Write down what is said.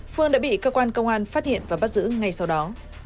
phương đã bị cơ quan công an phát hiện và bắt giữ ngay sau đó